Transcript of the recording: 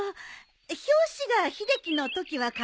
表紙が秀樹のときは買うかな。